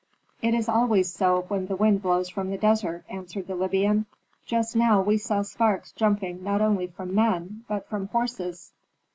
"It is always so when the wind blows from the desert," answered the Libyan. "Just now we saw sparks jumping not only from men, but from horses."